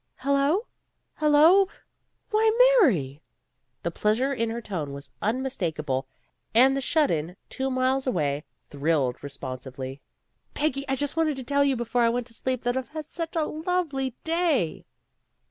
"Hello Hello Why, Mary!" The pleas ure in her tone was unmistakable, and the shut in, two miles away, thrilled responsively. "Peggy, I just wanted to tell you before I went to sleep that I've had such a lovely day."